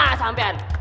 nah kena sampian